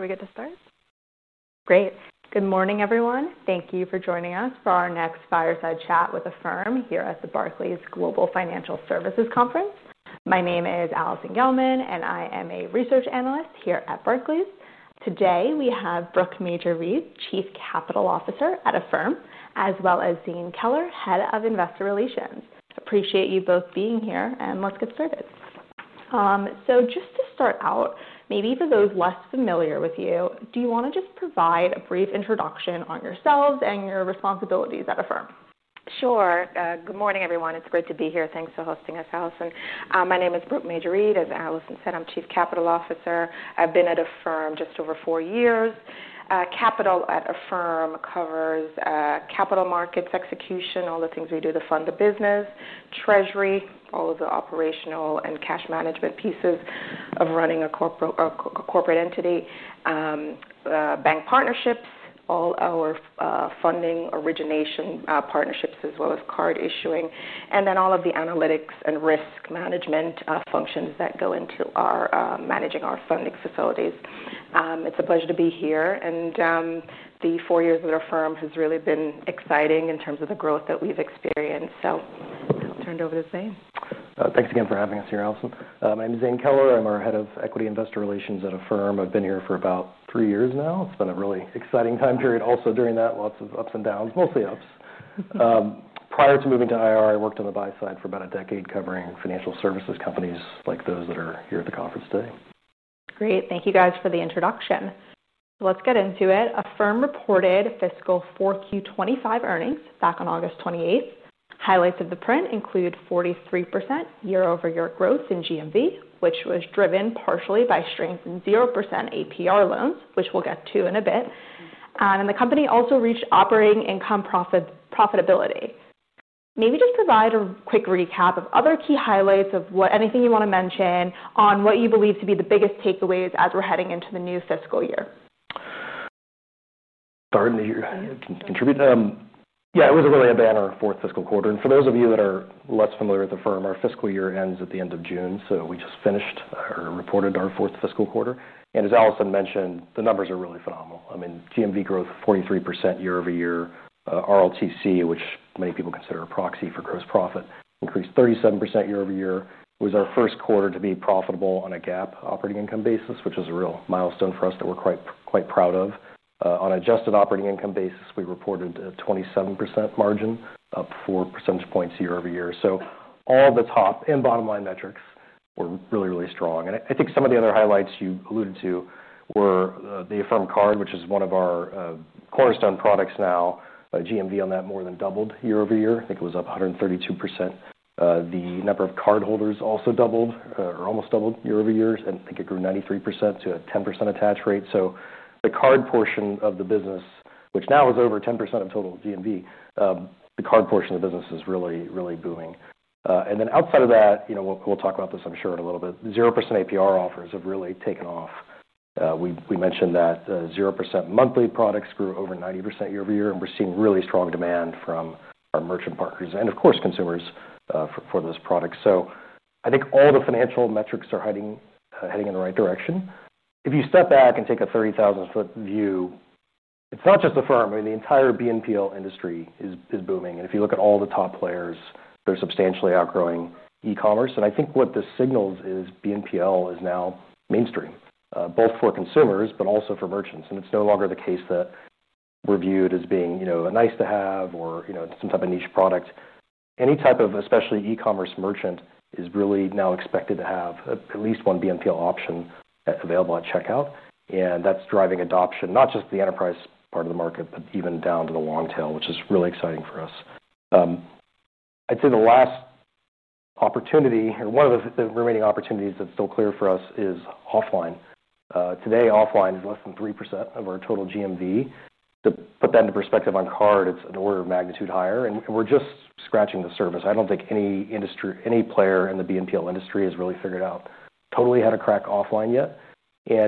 Are we good to start? Great. Good morning, everyone. Thank you for joining us for our next Fireside Chat with Affirm here at the Barclays Global Financial Services Conference. My name is Allison Gelman, and I am a Research Analyst here at Barclays. Today, we have Brooke Major-Reid, Chief Capital Officer at Affirm, as well as Zane Keller, Head of Investor Relations. Appreciate you both being here, and let's get started. Just to start out, maybe for those less familiar with you, do you want to just provide a brief introduction on yourselves and your responsibilities at Affirm? Sure. Good morning, everyone. It's great to be here. Thanks for hosting us, Allison. My name is Brooke Major-Reid. As Allison said, I'm Chief Capital Officer. I've been at Affirm just over four years. Capital at Affirm covers capital markets, execution, all the things we do to fund the business, treasury, all of the operational and cash management pieces of running a corporate entity, bank partnerships, all our funding origination partnerships, as well as card issuing, and then all of the analytics and risk management functions that go into managing our funding facilities. It's a pleasure to be here. The four years with Affirm have really been exciting in terms of the growth that we've experienced. I'll turn it over to Zane. Thanks again for having us here, Allison. My name is Zane Keller. I'm our Head of Investor Relations at Affirm. I've been here for about three years now. It's been a really exciting time period. Also, during that, lots of ups and downs, mostly ups. Prior to moving to IR, I worked on the buy side for about a decade, covering financial services companies like those that are here at the conference today. Great. Thank you guys for the introduction. Let's get into it. Affirm reported fiscal Q2 2025 earnings back on August 28th. Highlights of the print include 43% year-over-year growth in GMV, which was driven partially by strength in 0% APR loans, which we'll get to in a bit. The company also reached operating income profitability. Maybe just provide a quick recap of other key highlights or anything you want to mention on what you believe to be the biggest takeaways as we're heading into the new fiscal year. Pardon me. Yeah, it was really a banner fourth fiscal quarter. For those of you that are less familiar with Affirm, our fiscal year ends at the end of June. We just finished or reported our fourth fiscal quarter. As Allison mentioned, the numbers are really phenomenal. I mean, GMV growth 43% year-over-year. RLTC, which many people consider a proxy for gross profit, increased 37% year-over-year. It was our first quarter to be profitable on a GAAP operating income basis, which is a real milestone for us that we're quite proud of. On an adjusted operating income basis, we reported a 27% margin, up four percentage points year-over-year. All of the top and bottom line metrics were really, really strong. I think some of the other highlights you alluded to were the Affirm Card, which is one of our cornerstone products now. GMV on that more than doubled year-over-year. I think it was up 132%. The number of card holders also doubled or almost doubled year-over-year. I think it grew 93% to a 10% attach rate. The card portion of the business, which now is over 10% of total GMV, is really, really booming. Outside of that, 0% APR offers have really taken off. We mentioned that 0% monthly products grew over 90% year-over-year. We're seeing really strong demand from our merchant partners and, of course, consumers for those products. I think all the financial metrics are heading in the right direction. If you step back and take a 30,000-ft view, it's not just Affirm. The entire BNPL industry is booming. If you look at all the top players, they're substantially outgrowing e-commerce. I think what this signals is BNPL is now mainstream, both for consumers but also for merchants. It's no longer the case that we're viewed as being a nice-to-have or some type of niche product. Any type of, especially e-commerce merchant, is really now expected to have at least one BNPL option available at checkout. That's driving adoption, not just the enterprise part of the market, but even down to the long tail, which is really exciting for us. I'd say the last opportunity or one of the remaining opportunities that's still clear for us is Offline. Today, Offline is less than 3% of our total GMV. To put that into perspective on card, it's an order of magnitude higher. We're just scratching the surface. I don't think any industry, any player in the BNPL industry has really figured out totally how to crack offline yet.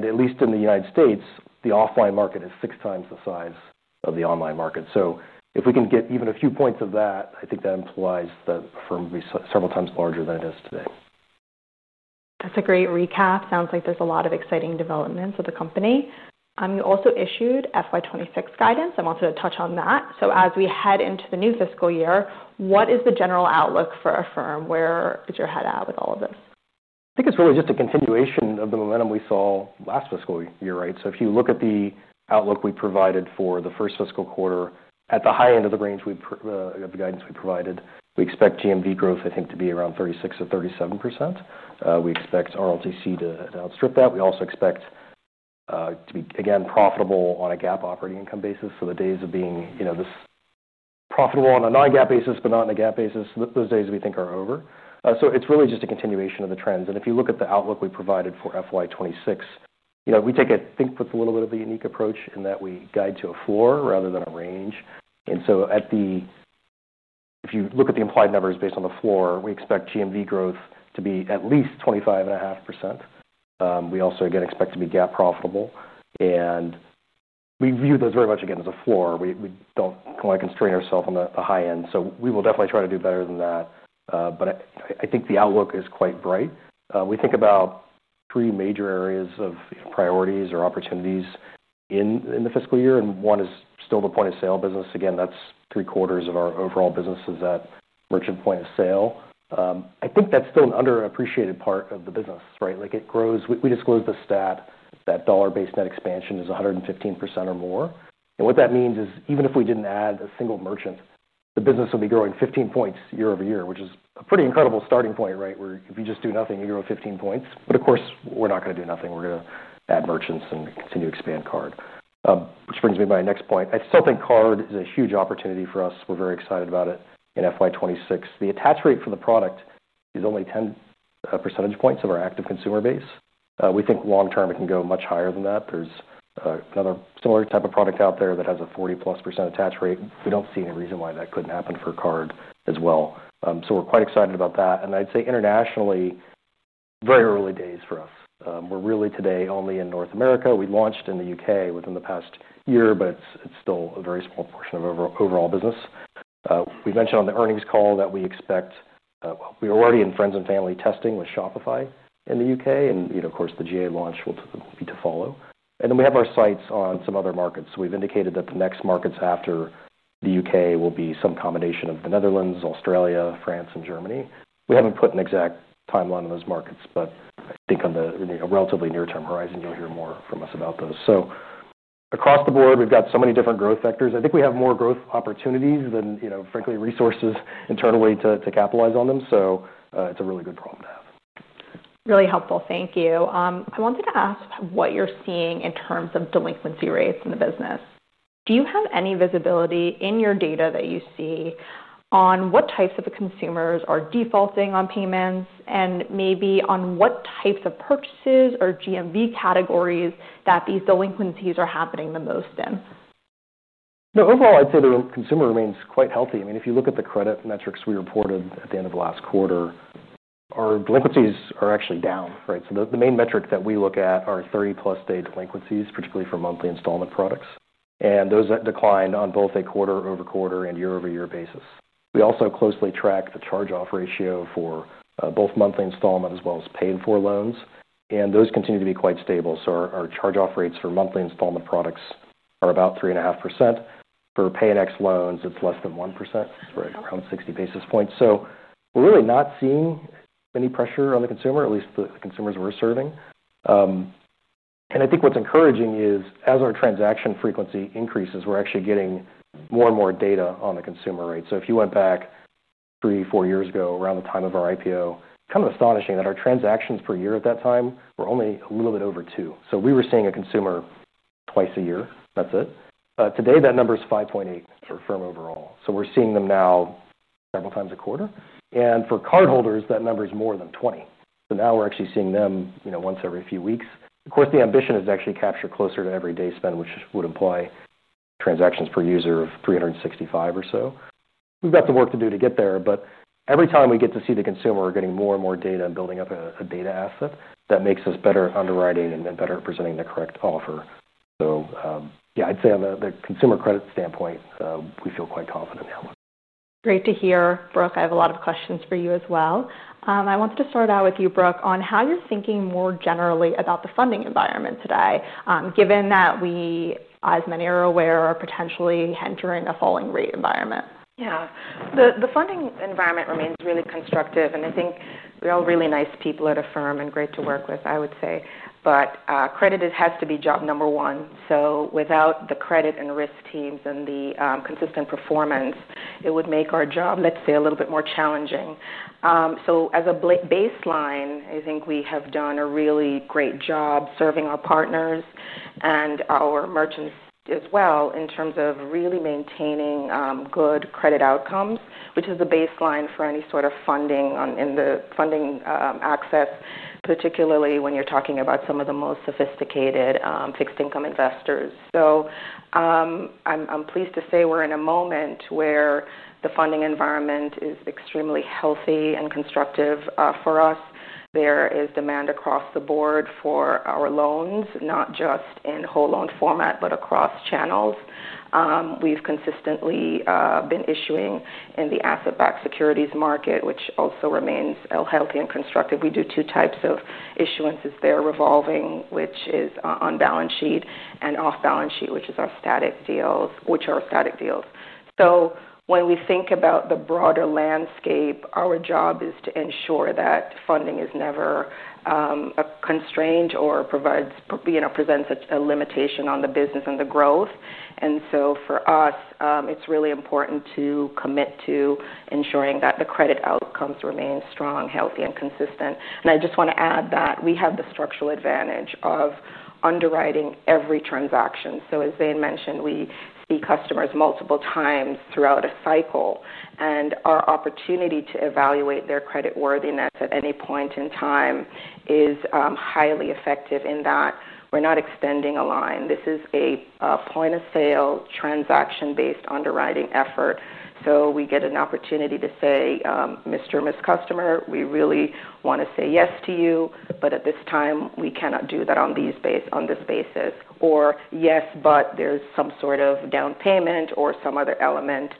At least in the U.S., the Offline market is 6`x the size of the Online market. If we can get even a few points of that, I think that implies that Affirm will be several times larger than it is today. That's a great recap. Sounds like there's a lot of exciting developments at the company. You also issued FY ```2026 guidance. I wanted to touch on that. As we head into the new fiscal year, what is the general outlook for Affirm? Where is your head at with all of this? I think it's really just a continuation of the momentum we saw last fiscal year, right? If you look at the outlook we provided for the first fiscal quarter, at the high end of the range, we have the guidance we provided. We expect GMV growth, I think, to be around` 36% or 37%. We expect RLTC to outstrip that. We also expect to be, again, profitable on a GAAP operating income basis. The days of being, you know, this profitable on a non-GAAP basis, but not on a GAAP basis, those days we think are over. It's really just a continuation of the trends. If you look at the outlook we provided for FY 2026, you know, we take, I think, with a little bit of a unique approach in that we guide to a floor rather than a range. If you look at the implied numbers based on the floor, we expect GMV growth to be at least 25.5%. We also, again, expect to be GAAP profitable. We view those very much, again, as a floor. We don't want to constrain ourselves on the high end. We will definitely try to do better than that. I think the outlook is quite bright. We think about three major areas of priorities or opportunities in the fiscal year. One is still the point of sale business. Again, that's 3/4 of our overall business is at merchant point of sale. I think that's still an underappreciated part of the business, right? Like it grows. We disclosed the stat that dollar-based net expansion is 115% or more. What that means is even if we didn't add a single merchant, the business will be growing 15 points year-over-year, which is a pretty incredible starting point, right? Where if you just do nothing, you grow 15 points. Of course, we're not going to do nothing. We're going to add merchants and continue to expand Card, which brings me to my next point. I still think Card is a huge opportunity for us. We're very excited about it in FY 2026. The attach rate for the product is only 10 percentage points of our active consumer base. We think long term, it can go much higher than that. There's another similar type of product out there that has a 40%+ attach rate. We don't see any reason why that couldn't happen for Card as well. We're quite excited about that. I'd say internationally, very early days for us. We're really today only in North America. We launched in the UK within the past year, but it's still a very small portion of our overall business. We mentioned on the earnings call that we expect, we're already in friends and family testing with Shopify in the UK. Of course, the GA launch will be to follow. We have our sights on some other markets. We've indicated that the next markets after the UK will be some combination of the Netherlands, Australia, France, and Germany. We haven't put an exact timeline on those markets. I think on the relatively near-term horizon, you'll hear more from us about those. Across the board, we've got so many different growth vectors. I think we have more growth opportunities than, you know, frankly, resources internally to capitalize on them. It's a really good problem to have. Really helpful. Thank you. I wanted to ask what you're seeing in terms of delinquency rates in the business. Do you have any visibility in your data that you see on what types of consumers are defaulting on payments and maybe on what types of purchases or GMV categories that these delinquencies are happening the most in? No, overall, I'd say the consumer remains quite healthy. I mean, if you look at the credit metrics we reported at the end of the last quarter, our delinquencies are actually down, right? The main metrics that we look at are 30+- day delinquencies, particularly for monthly installment products, and those have declined on both a quarter-over-quarter and year-over-year basis. We also closely track the charge-off ratio for both monthly installment as well as Pay in 4 loans, and those continue to be quite stable. Our charge-off rates for monthly installment products are about 3.5%. For Pay in X loans, it's less than 1%. It's right around 60 basis points. We're really not seeing any pressure on the consumer, at least the consumers we're serving. I think what's encouraging is, as our transaction frequency increases, we're actually getting more and more data on the consumer, right? If you went back three, four years ago, around the time of our IPO, kind of astonishing that our transactions per year at that time were only a little bit over 2. We were seeing a consumer twice a year. That's it. Today, that number is 5.8 for Affirm overall, so we're seeing them now several times a quarter. For card holders, that number is more than 20, so now we're actually seeing them once every few weeks. Of course, the ambition is to actually capture closer to every day spend, which would imply transactions per user of 365 or so. We've got some work to do to get there, but every time we get to see the consumer, we're getting more and more data and building up a data asset that makes us better at underwriting and then better at presenting the correct offer. I'd say on the consumer credit standpoint, we feel quite confident now. Great to hear, Brooke. I have a lot of questions for you as well. I wanted to start out with you, Brooke, on how you're thinking more generally about the funding environment today, given that we, as many are aware, are potentially entering a falling rate environment. Yeah, the funding environment remains really constructive. I think we're all really nice people at Affirm and great to work with, I would say. Credit has to be job number one. Without the credit and risk teams and the consistent performance, it would make our job, let's say, a little bit more challenging. As a baseline, I think we have done a really great job serving our partners and our merchants as well in terms of really maintaining good credit outcomes, which is the baseline for any sort of funding in the funding assets, particularly when you're talking about some of the most sophisticated fixed income investors. I'm pleased to say we're in a moment where the funding environment is extremely healthy and constructive for us. There is demand across the board for our loans, not just in whole loan format, but across channels. We've consistently been issuing in the asset-backed securities market, which also remains healthy and constructive. We do two types of issuances there: revolving, which is on-balance sheet, and off-balance sheet, which is our static deals. When we think about the broader landscape, our job is to ensure that funding is never constrained or presents a limitation on the business and the growth. For us, it's really important to commit to ensuring that the credit outcomes remain strong, healthy, and consistent. I just want to add that we have the structural advantage of underwriting every transaction. As Zane mentioned, we see customers multiple times throughout a cycle. Our opportunity to evaluate their creditworthiness at any point in time is highly effective in that we're not extending a line. This is a point-of-sale transaction-based underwriting effort. We get an opportunity to say, "Mr. or Ms. Customer, we really want to say yes to you. But at this time, we cannot do that on this basis." Or, "Yes, but there's some sort of down payment or some other element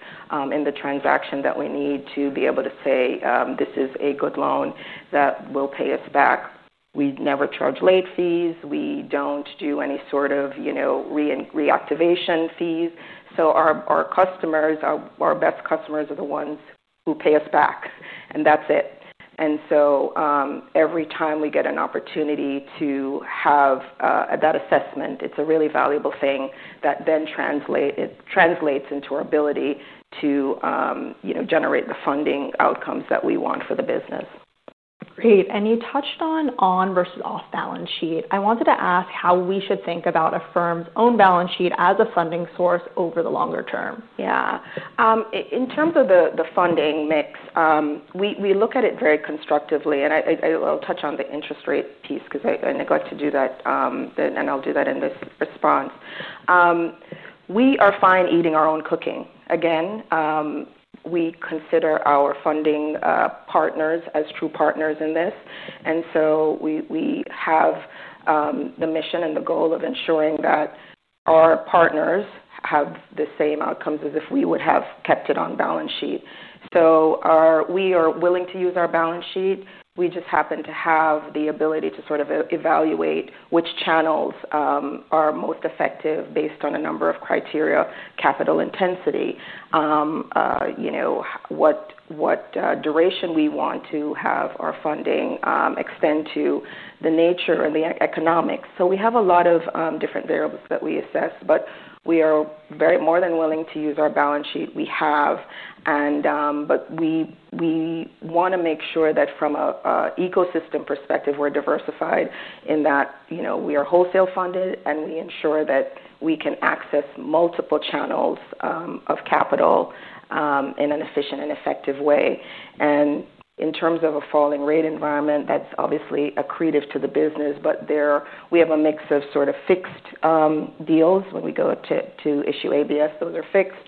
in the transaction that we need to be able to say this is a good loan that will pay us back." We never charge late fees. We don't do any sort of reactivation fees. Our customers, our best customers, are the ones who pay us back. That's it. Every time we get an opportunity to have that assessment, it's a really valuable thing that then translates into our ability to generate the funding outcomes that we want for the business. Great. You touched on on versus off-balance sheet. I wanted to ask how we should think about Affirm's own balance sheet as a funding source over the longer term. Yeah. In terms of the funding mix, we look at it very constructively. I'll touch on the interest rate piece because I neglected to do that. I'll do that in this response. We are fine eating our own cooking. We consider our funding partners as true partners in this. We have the mission and the goal of ensuring that our partners have the same outcomes as if we would have kept it on balance sheet. We are willing to use our balance sheet. We just happen to have the ability to sort of evaluate which channels are most effective based on a number of criteria: capital intensity, what duration we want to have our funding extend to, the nature, and the economics. We have a lot of different variables that we assess. We are more than willing to use our balance sheet we have. We want to make sure that from an ecosystem perspective, we're diversified in that we are wholesale funded and we ensure that we can access multiple channels of capital in an efficient and effective way. In terms of a falling rate environment, that's obviously accretive to the business. We have a mix of sort of fixed deals when we go to issue ABS. Those are fixed.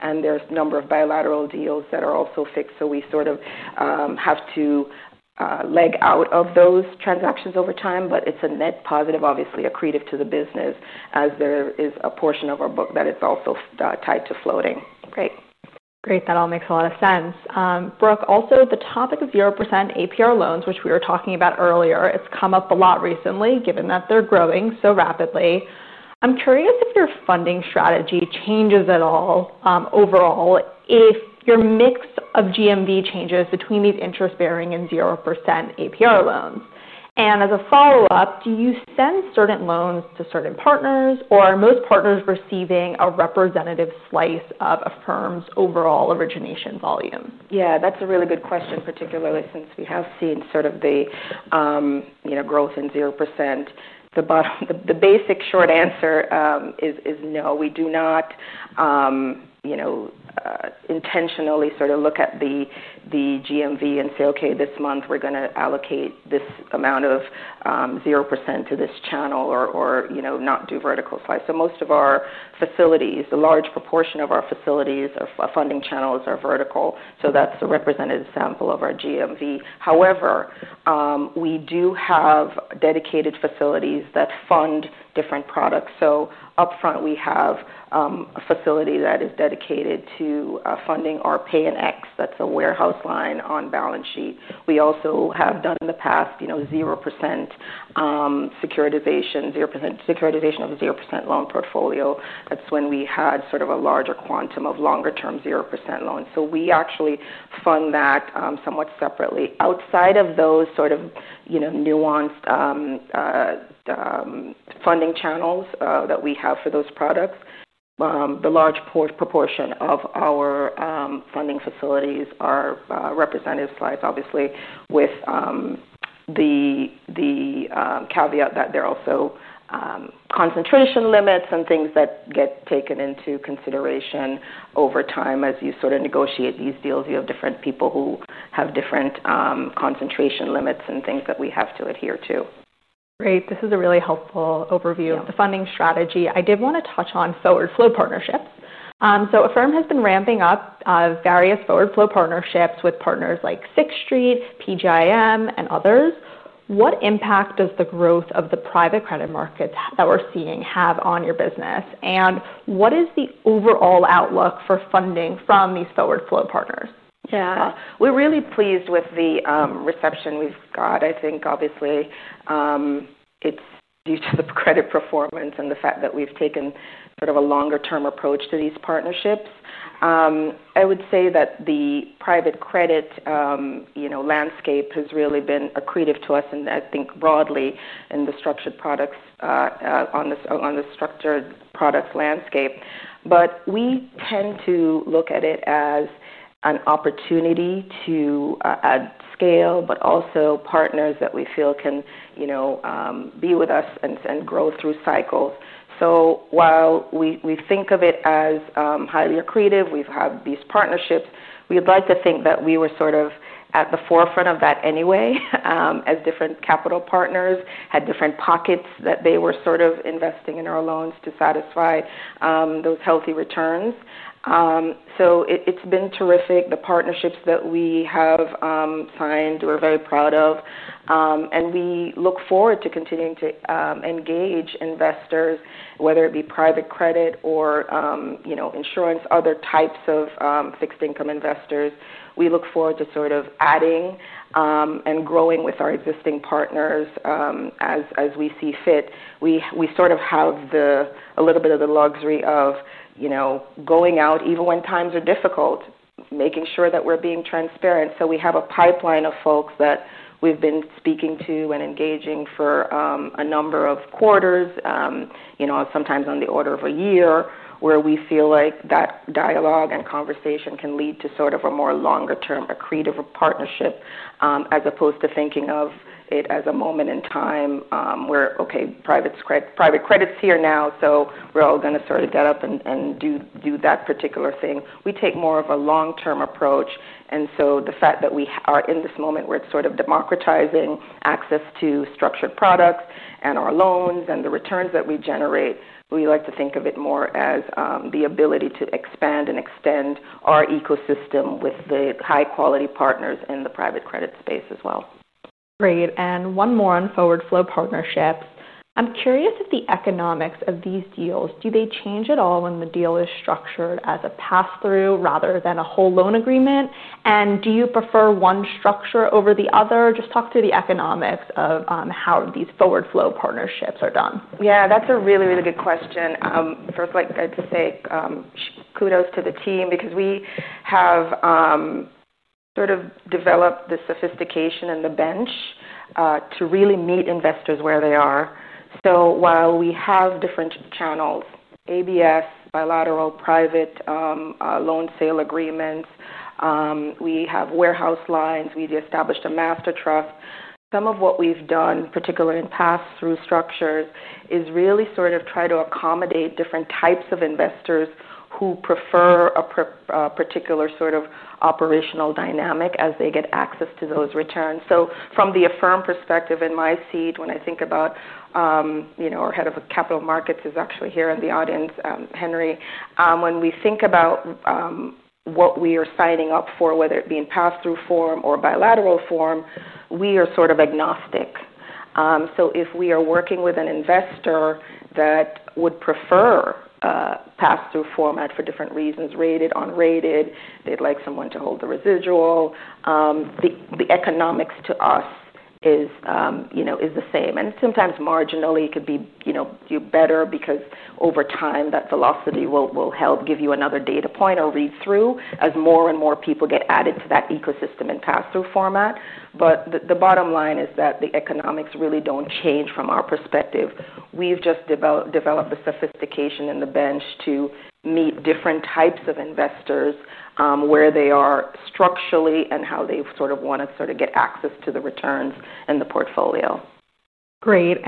There are a number of bilateral deals that are also fixed. We sort of have to leg out of those transactions over time. It's a net positive, obviously accretive to the business, as there is a portion of our book that is also tied to floating. Great. Great. That all makes a lot of sense. Brooke, also the topic of 0% APR loans, which we were talking about earlier, it's come up a lot recently given that they're growing so rapidly. I'm curious if your funding strategy changes at all overall if your mix of GMV changes between these interest-bearing and 0% APR loans. As a follow-up, do you spend certain loans to certain partners? Or are most partners receiving a representative slice of Affirm's overall origination volume? Yeah, that's a really good question, particularly since we have seen sort of the growth in 0%. The basic short answer is no. We do not intentionally sort of look at the GMV and say, okay, this month we're going to allocate this amount of 0% to this channel or not do vertical slice. Most of our facilities, the large proportion of our facilities, our funding channels are vertical. That's a representative sample of our GMV. However, we do have dedicated facilities that fund different products. Up front, we have a facility that is dedicated to funding our Pay in X. That's a warehouse line on balance sheet. We also have done in the past 0% securitization, 0% securitization of a 0% loan portfolio. That's when we had sort of a larger quantum of longer-term 0% loans. We actually fund that somewhat separately. Outside of those sort of nuanced funding channels that we have for those products, the large proportion of our funding facilities are representative slides, obviously with the caveat that there are also concentration limits and things that get taken into consideration over time as you sort of negotiate these deals. You have different people who have different concentration limits and things that we have to adhere to. Great. This is a really helpful overview of the funding strategy. I did want to touch on forward flow partnerships. Affirm has been ramping up various forward flow partnerships with partners like Sixth Street, PGIM, and others. What impact does the growth of the private credit markets that we're seeing have on your business? What is the overall outlook for funding from these forward flow partners? Yeah, we're really pleased with the reception we've got. I think, obviously, it's due to the credit performance and the fact that we've taken sort of a longer-term approach to these partnerships. I would say that the private credit landscape has really been accretive to us, and I think broadly in the structured products landscape. We tend to look at it as an opportunity to add scale, but also partners that we feel can be with us and grow through cycles. While we think of it as highly accretive, we've had these partnerships, we'd like to think that we were sort of at the forefront of that anyway as different capital partners had different pockets that they were sort of investing in our loans to satisfy those healthy returns. It's been terrific. The partnerships that we have signed, we're very proud of. We look forward to continuing to engage investors, whether it be private credit or insurance, other types of fixed income investors. We look forward to sort of adding and growing with our existing partners as we see fit. We sort of have a little bit of the luxury of going out even when times are difficult, making sure that we're being transparent. We have a pipeline of folks that we've been speaking to and engaging for a number of quarters, sometimes on the order of a year, where we feel like that dialogue and conversation can lead to sort of a more longer-term accretive partnership as opposed to thinking of it as a moment in time where, OK, private credit's here now, so we're all going to sort of get up and do that particular thing. We take more of a long-term approach. The fact that we are in this moment where it's sort of democratizing access to structured products and our loans and the returns that we generate, we like to think of it more as the ability to expand and extend our ecosystem with the high-quality partners in the private credit space as well. Great. One more on forward flow partnerships. I'm curious if the economics of these deals, do they change at all when the deal is structured as a pass-through rather than a whole loan agreement? Do you prefer one structure over the other? Just talk through the economics of how these forward flow partnerships are done. Yeah, that's a really, really good question. First, I'd like to say kudos to the team because we have developed the sophistication and the bench to really meet investors where they are. We have different channels: ABS, bilateral private loan sale agreements, and we have warehouse lines. We've established a master trust. Some of what we've done, particularly in pass-through structures, is really to accommodate different types of investors who prefer a particular operational dynamic as they get access to those returns. From the Affirm perspective, in my seat, when I think about our Head of Capital Markets, who is actually here in the audience, Henry, when we think about what we are signing up for, whether it be in pass-through form or bilateral form, we are agnostic. If we are working with an investor that would prefer pass-through format for different reasons—rated, unrated, they'd like someone to hold the residual—the economics to us is the same. Sometimes, marginally, it could be better because over time, that velocity will help give you another data point or read-through as more and more people get added to that ecosystem in pass-through format. The bottom line is that the economics really don't change from our perspective. We've just developed the sophistication and the bench to meet different types of investors where they are structurally and how they want to get access to the returns and the portfolio. Great.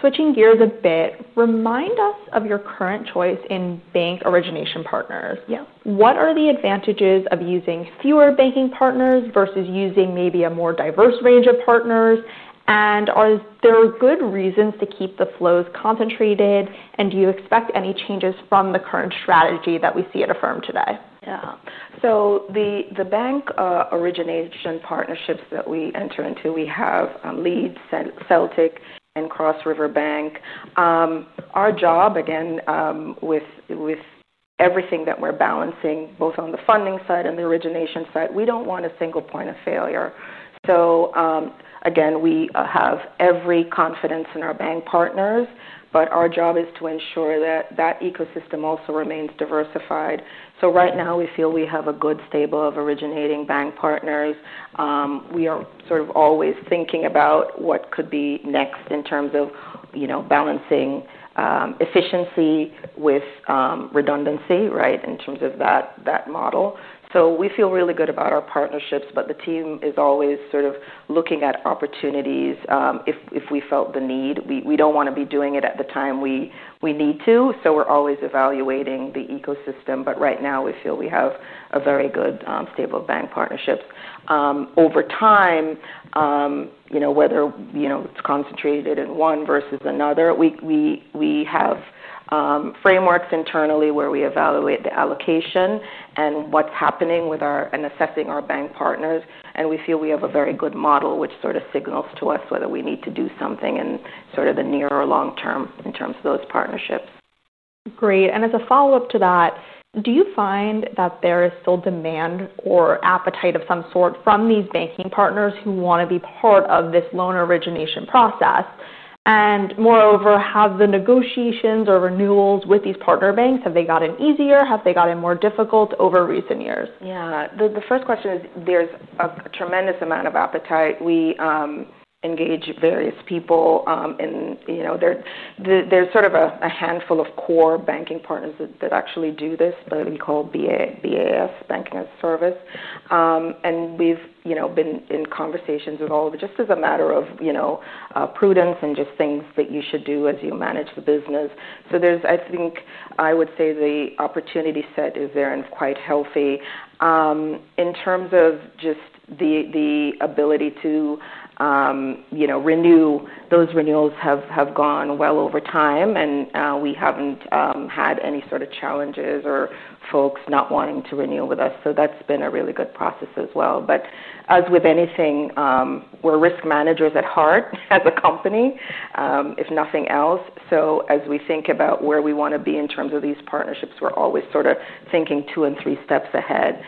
Switching gears a bit, remind us of your current choice in bank origination partners. Yeah. What are the advantages of using fewer banking partners versus using maybe a more diverse range of partners? Are there good reasons to keep the flows concentrated? Do you expect any changes from the current strategy that we see at Affirm today? Yeah. The bank origination partnerships that we enter into, we have Lead, Celtic and Cross River Bank. Our job, again, with everything that we're balancing, both on the funding side and the origination side, we don't want a single point of failure. We have every confidence in our bank partners. Our job is to ensure that that ecosystem also remains diversified. Right now, we feel we have a good stable of originating bank partners. We are always thinking about what could be next in terms of balancing efficiency with redundancy in that model. We feel really good about our partnerships. The team is always looking at opportunities if we felt the need. We don't want to be doing it at the time we need to. We're always evaluating the ecosystem. Right now, we feel we have a very good stable of bank partnerships. Over time, whether it's concentrated in one versus another, we have frameworks internally where we evaluate the allocation and what's happening with and assessing our bank partners. We feel we have a very good model, which signals to us whether we need to do something in the near or long term in terms of those partnerships. Great. As a follow-up to that, do you find that there is still demand or appetite of some sort from these banking partners who want to be part of this loan origination process? Moreover, have the negotiations or renewals with these partner banks gotten easier? Have they gotten more difficult over recent years? Yeah, the first question is there's a tremendous amount of appetite. We engage various people. There's sort of a handful of core banking partners that actually do this, what we call BAS, Banking at Service. We've been in conversations with all of them just as a matter of prudence and just things that you should do as you manage the business. I think I would say the opportunity set is there and is quite healthy. In terms of just the ability to renew, those renewals have gone well over time. We haven't had any sort of challenges or folks not wanting to renew with us. That's been a really good process as well. As with anything, we're risk managers at heart as a company, if nothing else. As we think about where we want to be in terms of these partnerships, we're always sort of thinking two and three steps ahead.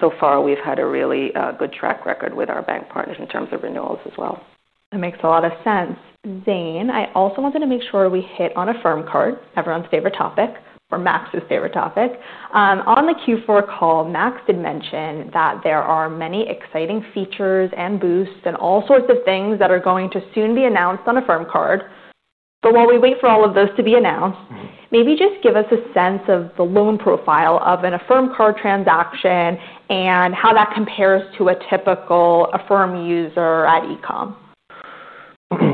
So far, we've had a really good track record with our bank partners in terms of renewals as well. That makes a lot of sense. Zane, I also wanted to make sure we hit on Affirm Card, everyone's favorite topic or Max's favorite topic. On the Q4 call, Max did mention that there are many exciting features and boosts and all sorts of things that are going to soon be announced on Affirm Card. While we wait for all of those to be announced, maybe just give us a sense of the loan profile of an Affirm Card transaction and how that compares to a typical Affirm user at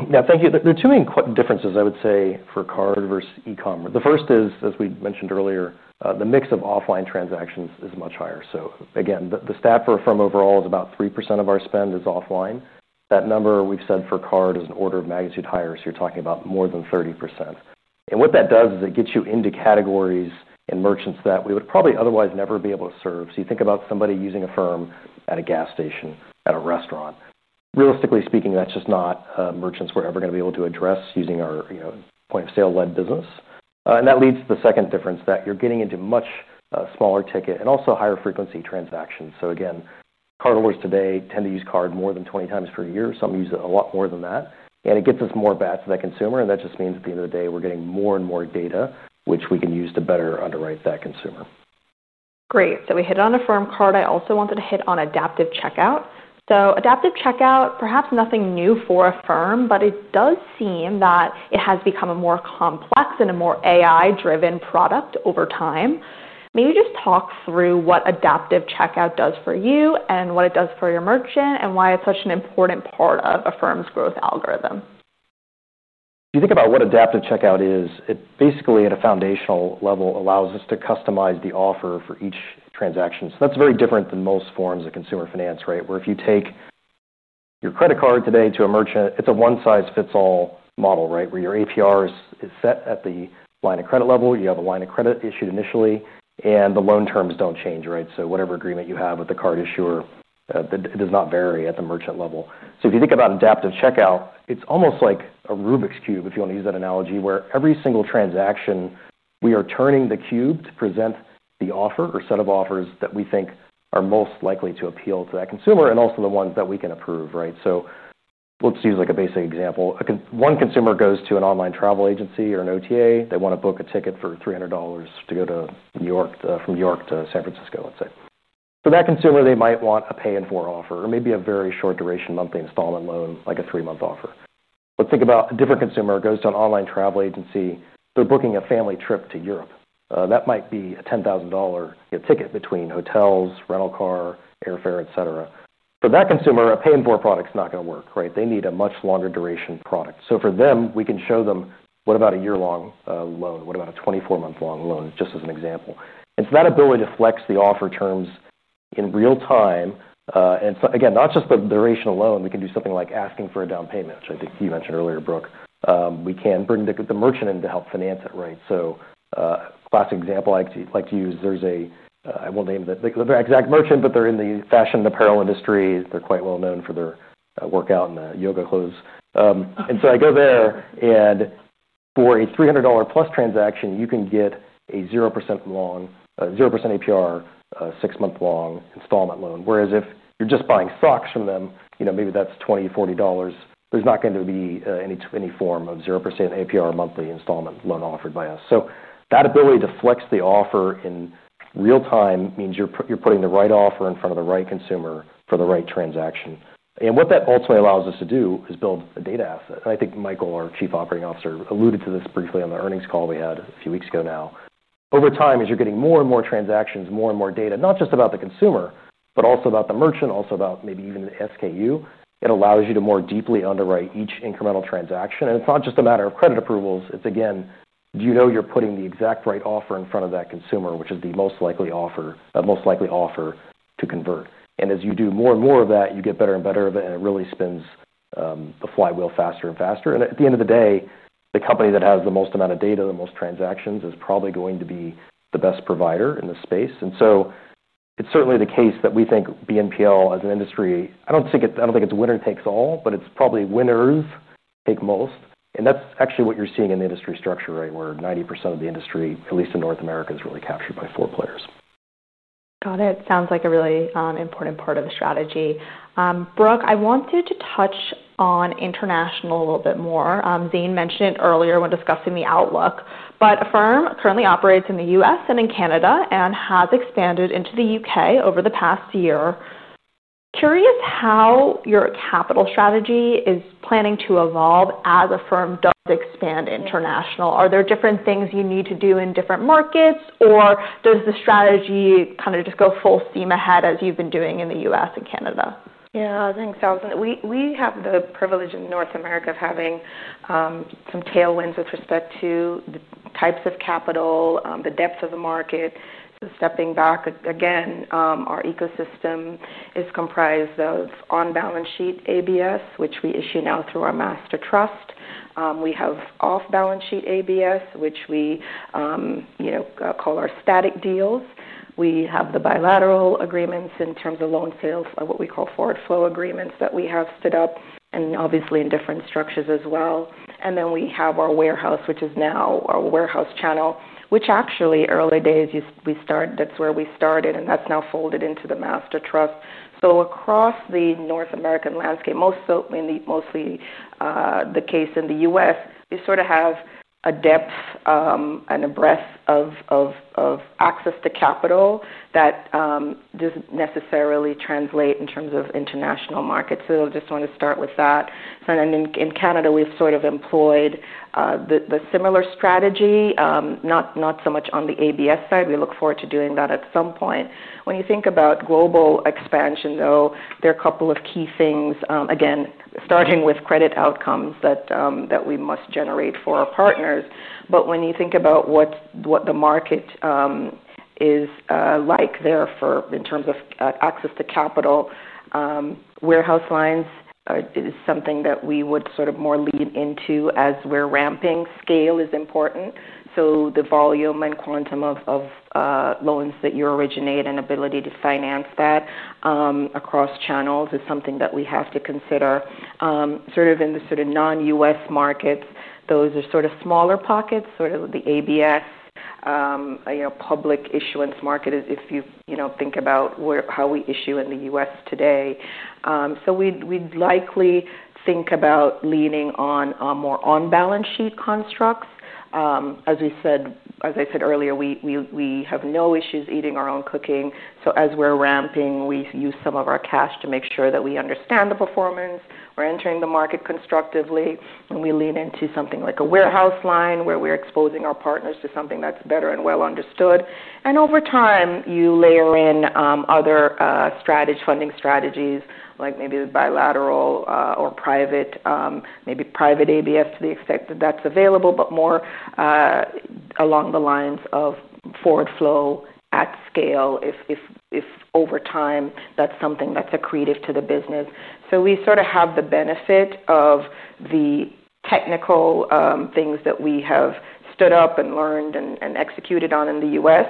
e-comm. Thank you. There are two main differences, I would say, for card versus e-comm. The first is, as we mentioned earlier, the mix of offline transactions is much higher. The stat for Affirm overall is about 3% of our spend is Offline. That number we've said for card is an order of magnitude higher. You're talking about more than 30%. What that does is it gets you into categories in merchants that we would probably otherwise never be able to serve. You think about somebody using Affirm at a gas station, at a restaurant. Realistically speaking, that's just not merchants we're ever going to be able to address using our point-of-sale-led business. That leads to the second difference that you're getting into much smaller ticket and also higher frequency transactions. Card holders today tend to use card more than 20x per year. Some use it a lot more than that. It gets us more back to that consumer. That just means at the end of the day, we're getting more and more data, which we can use to better underwrite that consumer. Great. We hit on Affirm Card. I also wanted to hit on Adaptive Checkout. Adaptive Checkout, perhaps nothing new for Affirm, but it does seem that it has become a more complex and a more AI-driven product over time. Maybe just talk through what Adaptive Checkout does for you and what it does for your merchant and why it's such an important part of Affirm's growth algorithm. If you think about what Adaptive Checkout is, it basically, at a foundational level, allows us to customize the offer for each transaction. That's very different than most forms of consumer finance, right? Where if you take your credit card today to a merchant, it's a one-size-fits-all model, right? Where your ATR is set at the line of credit level, you have a line of credit issued initially, and the loan terms don't change, right? Whatever agreement you have with the card issuer, it does not vary at the merchant level. If you think about Adaptive Checkout, it's almost like a Rubik's cube, if you want to use that analogy, where every single transaction, we are turning the cube to present the offer or set of offers that we think are most likely to appeal to that consumer and also the ones that we can approve, right? Let's use a basic example. One consumer goes to an online travel agency or an OTA. They want to book a ticket for $300 to go from New York to San Francisco, let's say. For that consumer, they might want a Pay in 4 offer or maybe a very short duration monthly installment loan, like a three-month offer. Let's think about a different consumer who goes to an online travel agency. They're booking a family trip to Europe. That might be a $10,000 ticket between hotels, rental car, airfare, etc. For that consumer, a Pay in 4 product is not going to work, right? They need a much longer duration product. For them, we can show them what about a year-long loan? What about a 24-month-long loan? Just as an example. That ability to flex the offer terms in real time, and again, not just the duration alone, we can do something like asking for a down payment, which I think you mentioned earlier, Brooke. We can bring the merchant in to help finance it, right? Classic example I like to use, there's a, I won't name the exact merchant, but they're in the fashion and apparel industry. They're quite well known for their workout and yoga clothes. I go there. For a $300+ transaction, you can get a 0% APR, six-month-long installment loan. Whereas if you're just buying socks from them, m aybe that's $20, $40. There's not going to be any form of 0% APR monthly installment loan offered by us. That ability to flex the offer in real time means you're putting the right offer in front of the right consumer for the right transaction. What that ultimately allows us to do is build a data asset. I think Michael, our Chief Operating Officer, alluded to this briefly on the earnings call we had a few weeks ago now. Over time, as you're getting more and more transactions, more and more data, not just about the consumer, but also about the merchant, also about maybe even the SKU, it allows you to more deeply underwrite each incremental transaction. It's not just a matter of credit approvals. It's, again, do you know you're putting the exact right offer in front of that consumer, which is the most likely offer to convert? As you do more and more of that, you get better and better at it. It really spins the flywheel faster and faster. At the end of the day, the company that has the most amount of data, the most transactions, is probably going to be the best provider in the space. It is certainly the case that we think BNPL, as an industry, I don't think it's winner takes all, but it's probably winners take most. That's actually what you're seeing in the industry structure, right? Where 90% of the industry, at least in North America, is really captured by four players. Got it. Sounds like a really important part of the strategy. Brooke, I wanted to touch on international a little bit more. Zane mentioned it earlier when discussing the outlook. Affirm currently operates in the U.S. and in Canada and has expanded into the UK over the past year. Curious how your capital strategy is planning to evolve as Affirm does expand international. Are there different things you need to do in different markets? Does the strategy kind of just go full steam ahead as you've been doing in the U.S. and Canada? Yeah, thanks, Allison. We have the privilege in North America of having some tailwinds with respect to the types of capital, the depth of the market. Stepping back again, our ecosystem is comprised of on-balance sheet ABS, which we issue now through our master trust. We have off-balance sheet ABS, which we call our static deals. We have the bilateral agreements in terms of loan sales, what we call forward flow agreements that we have stood up, and obviously in different structures as well. We have our warehouse, which is now our warehouse channel, which actually, early days, we started, that's where we started. That's now folded into the master trust. Across the North American landscape, mostly the case in the U.S., you sort of have a depth and a breadth of access to capital that doesn't necessarily translate in terms of international markets. I just want to start with that. In Canada, we've sort of employed the similar strategy, not so much on the ABS side. We look forward to doing that at some point. When you think about global expansion, there are a couple of key things, again, starting with credit outcomes that we must generate for our partners. When you think about what the market is like there in terms of access to capital, warehouse lines is something that we would sort of more lean into as we're ramping. Scale is important. The volume and quantum of loans that you originate and ability to finance that across channels is something that we have to consider. In the sort of non-U.S. markets, those are sort of smaller pockets, the ABS public issuance market, if you think about how we issue in the U.S. today. We'd likely think about leaning more on balance sheet constructs. As I said earlier, we have no issues eating our own cooking. As we're ramping, we use some of our cash to make sure that we understand the performance. We're entering the market constructively. We lean into something like a warehouse line where we're exposing our partners to something that's better and well understood. Over time, you layer in other funding strategies, like maybe the bilateral or private, maybe private ABS to the extent that that's available, but more along the lines of forward flow at scale if over time that's something that's accretive to the business. We sort of have the benefit of the technical things that we have stood up and learned and executed on in the U.S.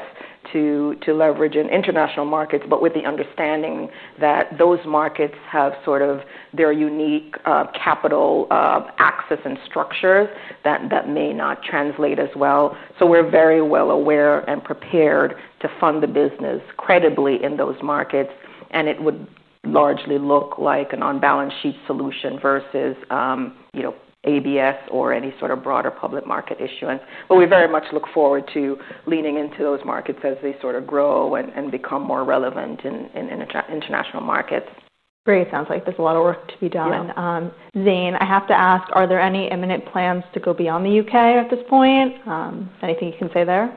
to leverage in international markets, with the understanding that those markets have sort of their unique capital access and structures that may not translate as well. We are very well aware and prepared to fund the business credibly in those markets. It would largely look like an on-balance sheet solution versus ABS or any sort of broader public market issuance. We very much look forward to leaning into those markets as they sort of grow and become more relevant in international markets. Great. Sounds like there's a lot of work to be done. Yeah. Zane, I have to ask, are there any imminent plans to go beyond the UK at this point? Anything you can say there?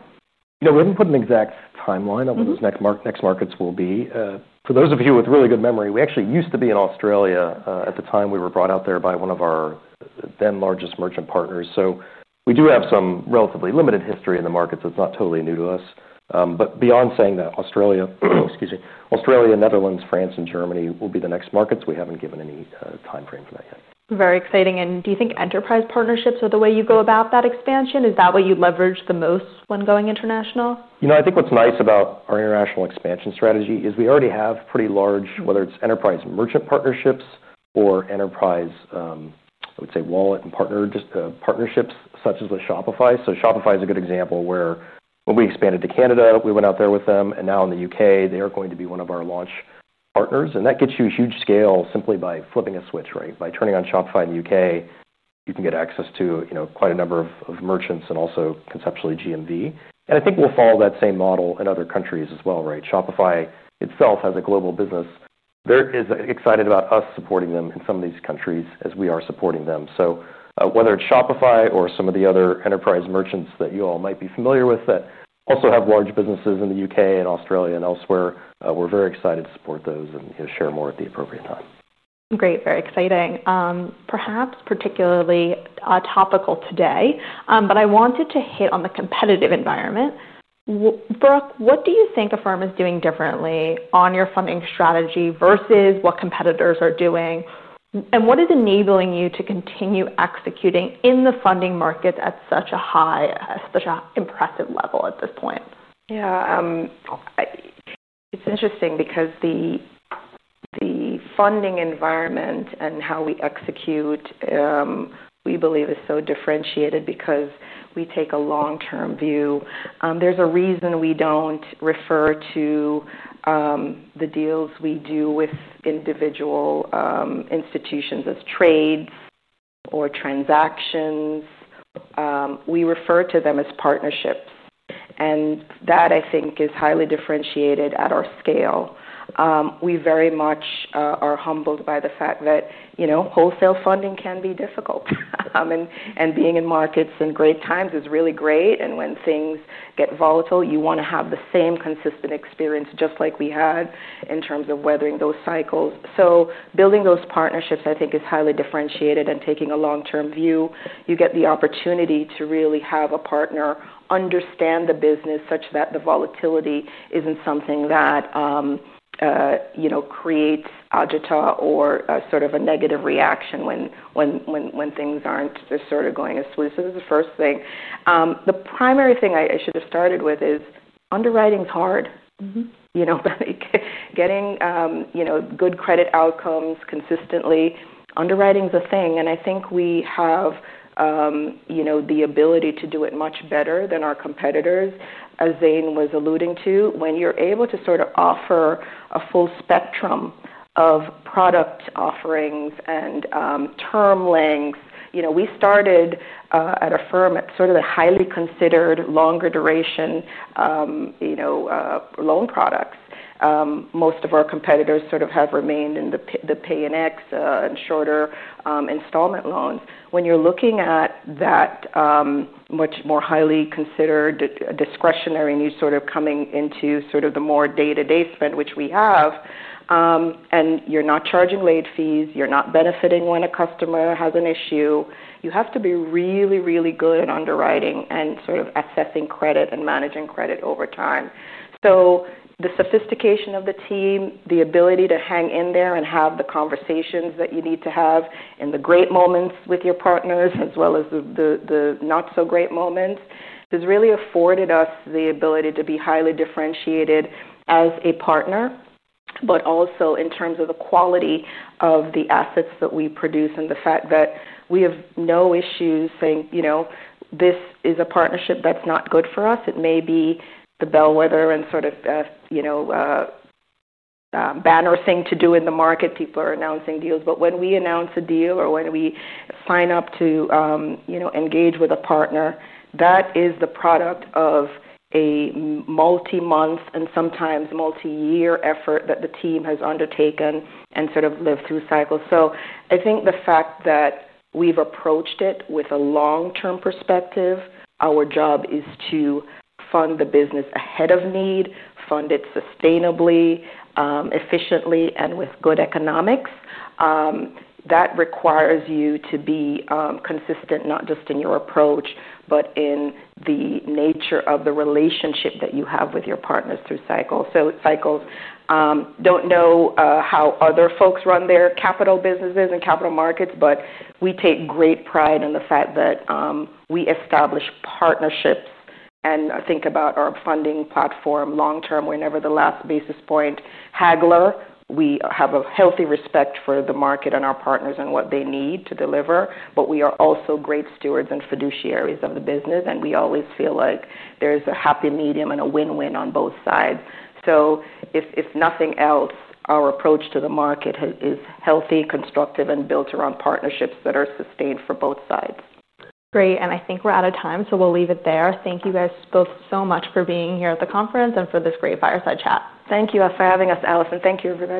We haven't put an exact timeline on what those next markets will be. For those of you with really good memory, we actually used to be in Australia at the time we were brought out there by one of our then largest merchant partners. We do have some relatively limited history in the markets. It's not totally new to us. Beyond saying that Australia, Netherlands, France, and Germany will be the next markets, we haven't given any time frame for that yet. Very exciting. Do you think enterprise partnerships are the way you go about that expansion? Is that what you leverage the most when going international? I think what's nice about our international expansion strategy is we already have pretty large, whether it's enterprise merchant partnerships or enterprise, I would say, wallet and partnerships such as with Shopify. Shopify is a good example where when we expanded to Canada, we went out there with them. Now in the UK, they are going to be one of our launch partners. That gets you a huge scale simply by flipping a switch, right? By turning on Shopify in the UK, you can get access to quite a number of merchants and also conceptually GMV. I think we'll follow that same model in other countries as well, right? Shopify itself has a global business. They're excited about us supporting them in some of these countries as we are supporting them. Whether it's Shopify or some of the other enterprise merchants that you all might be familiar with that also have large businesses in the UK and Australia and elsewhere, we're very excited to support those and share more at the appropriate time. Great. Very exciting. Perhaps particularly topical today, but I wanted to hit on the competitive environment. Brooke, what do you think Affirm is doing differently on your funding strategy versus what competitors are doing? What is enabling you to continue executing in the funding markets at such a high, such an impressive level at this point? Yeah, it's interesting because the funding environment and how we execute, we believe, is so differentiated because we take a long-term view. There's a reason we don't refer to the deals we do with individual institutions as trades or transactions. We refer to them as partnerships. I think that is highly differentiated at our scale. We very much are humbled by the fact that wholesale funding can be difficult. Being in markets in great times is really great. When things get volatile, you want to have the same consistent experience just like we had in terms of weathering those cycles. Building those partnerships, I think, is highly differentiated. Taking a long-term view, you get the opportunity to really have a partner understand the business such that the volatility isn't something that creates agita or sort of a negative reaction when things aren't going as smoothly. That's the first thing. The primary thing I should have started with is underwriting is hard. Getting good credit outcomes consistently, underwriting is a thing. I think we have the ability to do it much better than our competitors, as Zane was alluding to, when you're able to offer a full spectrum of product offerings and term lengths. We started at Affirm at the highly considered longer duration loan products. Most of our competitors have remained in the Pay in X and shorter installment loans. When you're looking at that much more highly considered discretionary and you're coming into the more day-to-day spend, which we have, and you're not charging late fees, you're not benefiting when a customer has an issue, you have to be really, really good at underwriting and assessing credit and managing credit over time. The sophistication of the team, the ability to hang in there and have the conversations that you need to have and the great moments with your partners, as well as the not-so-great moments, has really afforded us the ability to be highly differentiated as a partner, but also in terms of the quality of the assets that we produce and the fact that we have no issues saying this is a partnership that's not good for us. It may be the bellwether and banner thing to do in the market. People are announcing deals. When we announce a deal or when we sign up to engage with a partner, that is the product of a multi-month and sometimes multi-year effort that the team has undertaken and sort of lived through cycles. I think the fact that we've approached it with a long-term perspective, our job is to fund the business ahead of need, fund it sustainably, efficiently, and with good economics. That requires you to be consistent not just in your approach, but in the nature of the relationship that you have with your partners through cycles. Cycles, don't know how other folks run their capital businesses and capital markets, but we take great pride in the fact that we establish partnerships. I think about our funding platform long term, we're never the last basis point haggler. We have a healthy respect for the market and our partners and what they need to deliver. We are also great stewards and fiduciaries of the business. We always feel like there is a happy medium and a win-win on both sides. If nothing else, our approach to the market is healthy, constructive, and built around partnerships that are sustained for both sides. Great. I think we're out of time, so we'll leave it there. Thank you guys both so much for being here at the conference and for this great fireside chat. Thank you for having us, Allison. Thank you, everybody.